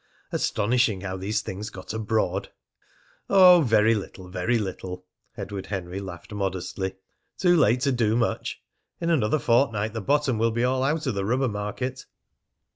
Astonishing how these things got abroad! "Oh, very little, very little!" Edward Henry laughed modestly. "Too late to do much! In another fortnight the bottom will be all out of the rubber market!"